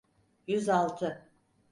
Yüz altı.